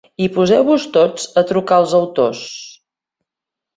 I poseu-vos tots a trucar als autors.